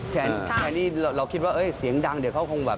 แทนที่เราคิดว่าเสียงดังเดี๋ยวเขาคงแบบ